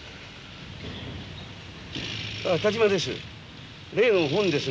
あ田島です。